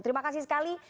terima kasih sekali